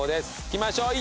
いきましょう。